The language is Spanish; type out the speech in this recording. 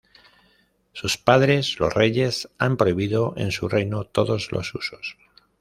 Sus padres, los reyes, han prohibido en su reino todos los husos.